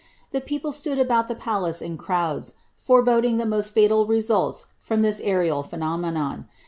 The e stood about the palace in crowds, forebodinr ihe nioet fatal rei Trom iliis aerial phenomenon.'